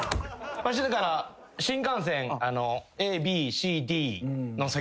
わしだから新幹線ＡＢＣＤの席。